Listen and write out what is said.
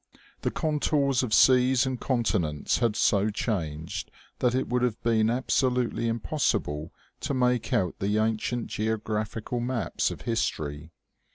The contours of seas and continents had so changed that it would have been absolutely impossible to make out the ancient geographical maps of history.